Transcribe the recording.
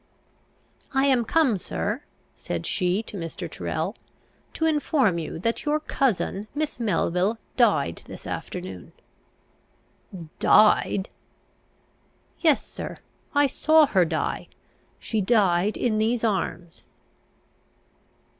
"I am come, sir," said she to Mr. Tyrrel, "to inform you that your cousin, Miss Melville, died this afternoon." "Died?" "Yes, sir. I saw her die. She died in these arms."